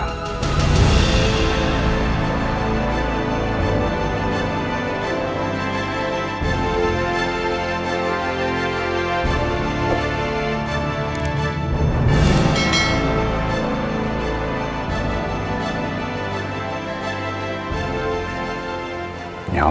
kau pilih mereka